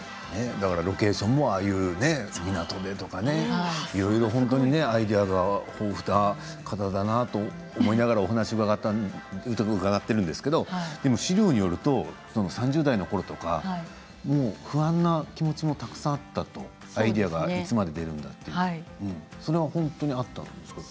だからロケーションも港でとか、いろいろ本当にアイデアが豊富な方だなと思いながらお話を伺っているんですけれどもでも資料によると３０代のころとか不安な気持ちもたくさんあったとアイデアはいつまで出るんだとそれは本当にあったんですか？